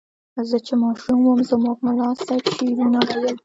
زه چې ماشوم وم زموږ ملا صیب به شعرونه ویل.